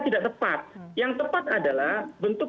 tidak tepat yang tepat adalah bentuk